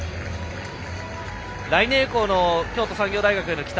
来年以降の京都産業大学への期待